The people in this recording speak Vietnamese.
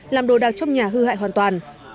làm đồ đạc trong nhà hư hại hoàn toàn